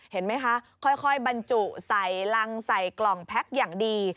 เห็นไหมคะค่อยบรรจุใส่รังใส่กล่องแพ็คอย่างดี